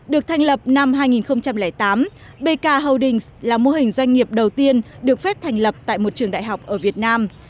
được thành lập năm hai nghìn tám bk holdings là mô hình doanh nghiệp đầu tiên được phép thành lập tại một trường đại học ở việt nam